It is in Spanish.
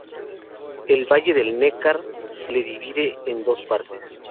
El valle del Neckar le divide en dos partes.